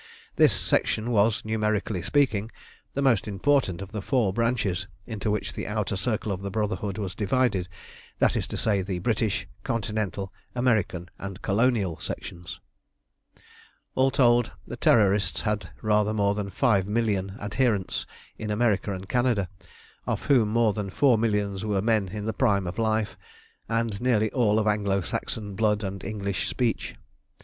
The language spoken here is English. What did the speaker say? This Section was, numerically speaking, the most important of the four branches into which the Outer Circle of the Brotherhood was divided that is to say, the British, Continental, American, and Colonial Sections. All told, the Terrorists had rather more than five million adherents in America and Canada, of whom more than four millions were men in the prime of life, and nearly all of Anglo Saxon blood and English speech.